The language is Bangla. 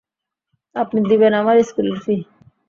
আপনি দিবেন আমার স্কুলের ফি?